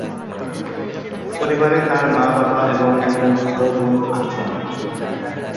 পরিবারে তাঁর মা, বাবা এবং একজন ছোট বোন আছেন।